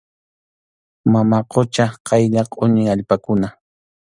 Mama qucha qaylla qʼuñi allpakuna.